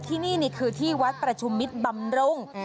ที่นี่เนี่ยคือที่วัดประชุมมิตรบำรงค์